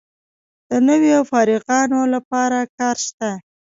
د نویو فارغانو لپاره کار شته؟